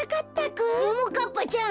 ももかっぱちゃん